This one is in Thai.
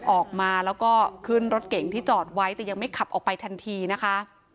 ออกมาแล้วก็ขึ้นรถเก่งที่จอดไว้แต่ยังไม่ขับออกไปทันทีนะคะ